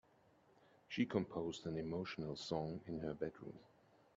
She composed an emotional song in her bedroom.